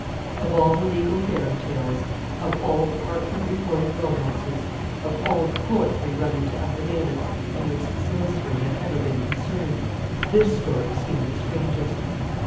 Of all the legal fairy tales, of all the parchment recorded romances, of all the poetry run into affidavits, in which the solicitor had ever been concerned, this story seemed the strangest.